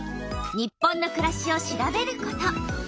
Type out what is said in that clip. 「日本のくらし」を調べること。